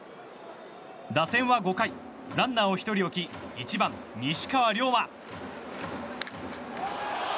打線は５回ランナーを１人置き１番、西川。